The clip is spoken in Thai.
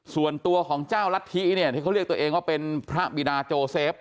ส่วนตัวของเจ้ารัฐธิเนี่ยที่เขาเรียกตัวเองว่าเป็นพระบิดาโจเซฟ